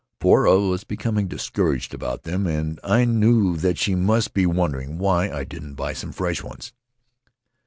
Poura was becoming discouraged about them, and I knew that she must be wondering why I didn't buy some fresh ones.